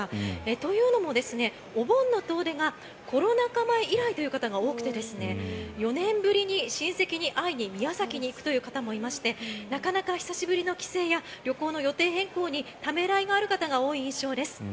というのも、お盆の遠出がコロナ禍前以来という方が多くて４年ぶりに親戚に会いに宮崎に行くという方もいましてなかなか久しぶりの帰省や旅行の予定変更にためらいがある方が多い印象です。